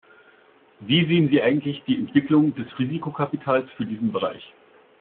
Wie sehen Sie eigentlich die Entwicklung des Risikokapitals für diesen Bereich?